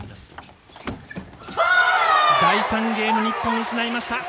第３ゲーム、日本失いました。